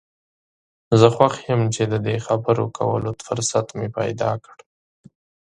زه خوښ یم چې د دې خبرو کولو فرصت مې پیدا کړ.